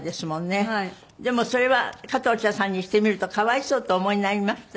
でもそれは加藤茶さんにしてみると可哀想とお思いになりました？